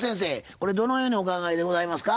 これどのようにお考えでございますか？